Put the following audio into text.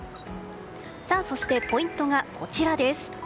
そして、ポイントがこちらです。